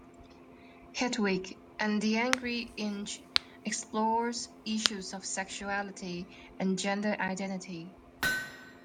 Hedwig and the Angry Inch explores issues of sexuality and gender identity.